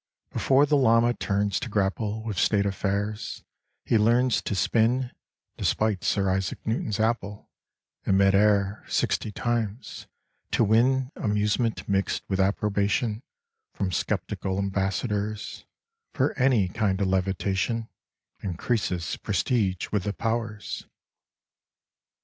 Before the Llama turns to grapple With State Affairs, he learns to spin (Despite Sir Isaac Newton's Apple) In mid air, sixty times — to win Amusement mixed with approbation From sceptical ambassadors — For any kind of levitation Increases prestige with the Powers.